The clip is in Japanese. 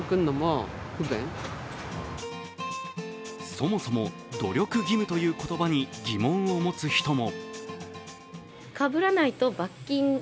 そもそも、努力義務という言葉に疑問を持つ人も。